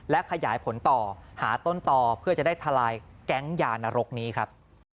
และขยายผลต่อหาต้นต่อเพื่อจะได้ทลายแก๊งยานรกนี้ครับ